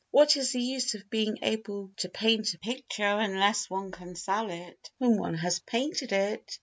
What is the use of being able to paint a picture unless one can sell it when one has painted it?